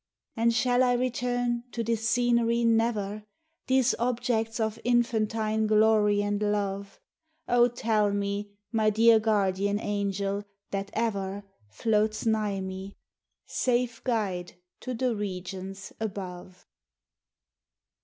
And shall I return to this scenery never? These objects of infantine glory and love, O tell me, my dear Guardian Angel, that ever Floats nigh me, safe guide to the regions above.